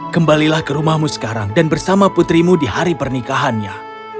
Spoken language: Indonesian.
kembalilah ke rumahmu sekarang dan bersama putrimu di hari pernikahannya